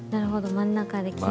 真ん中で。